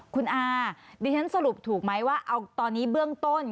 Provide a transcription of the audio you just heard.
คุณอาดิฉันสรุปถูกไหมว่าเอาตอนนี้เบื้องต้น